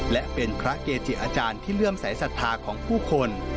และเป็นพระเกจิอาจารย์ที่เลื่อมสายศรัทธาของผู้คน